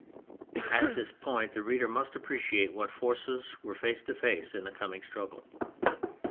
At this point the reader must appreciate what forces were face to face in the coming struggle.